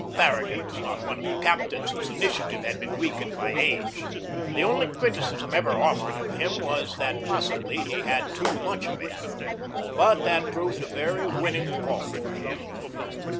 Farragut was not one of the captains whose initiative had been weak ened by age. The only criticism ever offered of him was that possibly he had too much of it. But that proved a very winning fault for him.